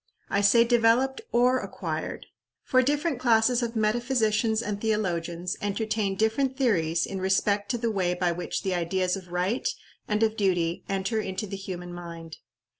I say developed or acquired for different classes of metaphysicians and theologians entertain different theories in respect to the way by which the ideas of right and of duty enter into the human mind.